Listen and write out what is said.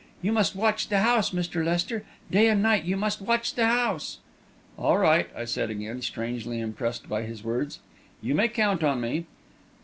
You must watch the house, Mr. Lester day and night you must watch the house!" "All right," I said, again, strangely impressed by his words. "You may count on me."